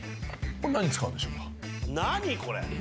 これ何に使うんでしょうか？